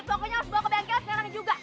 pokoknya harus bawa ke bengkel sekarang juga